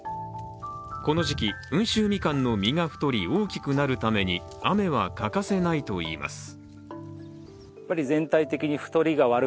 この時期、温州みかんの実が太り大きくなるために、雨は欠かせないといいます。